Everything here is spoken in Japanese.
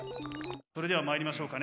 それではまいりましょうかね。